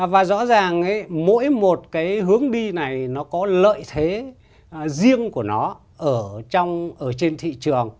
và rõ ràng mỗi một cái hướng đi này nó có lợi thế riêng của nó ở trên thị trường